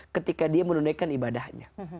ketika dia menunaikan ibadahnya